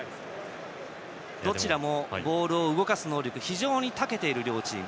ボールを動かす能力に非常に長けている両チーム。